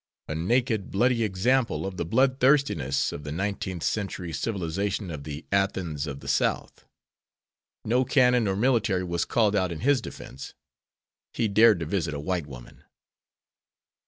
A naked, bloody example of the blood thirstiness of the nineteenth century civilization of the Athens of the South! No cannon or military was called out in his defense. He dared to visit a white woman.